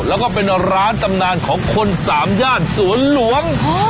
แล้วก็เป็นร้านตำนานของคนสามย่านสวนหลวง